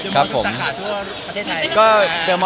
ครับผม